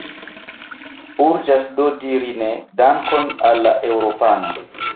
Urĝas do diri ne, dankon al la eŭropanoj.